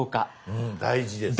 うん大事ですね。